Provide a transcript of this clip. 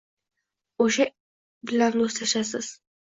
O`sha bilan do`stlashasiz